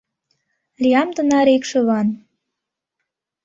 Лиям тынаре икшыван.